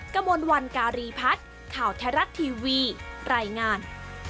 กระมวลวันการีพัฒน์ข่าวไทยรัฐทีวีรายงาน